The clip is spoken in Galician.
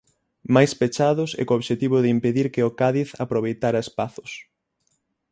Máis pechados e co obxectivo de impedir que o Cádiz aproveitara espazos.